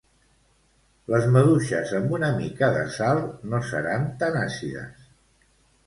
Les maduixes amb una mica de sal no seran tan àcides